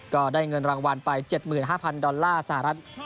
ก็ได้เงินรางวัลไป๗๕๐๐ดอลลาร์สหรัฐ